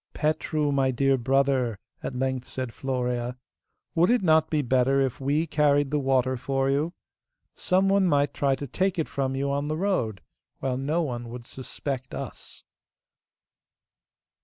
'Petru, my dear brother,' at length said Florea, 'would it not be better if we carried the water for you? Some one might try to take it from you on the road, while no one would suspect us.